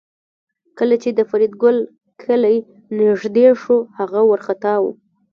کله چې د فریدګل کلی نږدې شو هغه وارخطا و